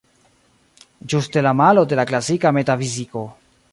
Ĝuste la malo de la klasika metafiziko.